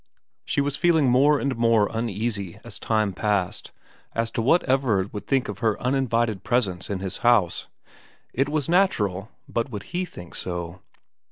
She was feeling more and more uneasy as time passed as to what Everard would think of her uninvited presence in his house. It was natural ; but would he think so